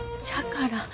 じゃから。